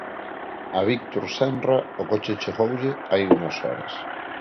A Víctor Senra o coche chegoulle hai unhas horas.